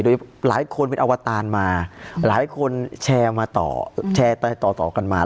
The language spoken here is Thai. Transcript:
โดยหลายคนเป็นอวตารมาหลายคนแชร์มาต่อแชร์ต่อต่อกันมา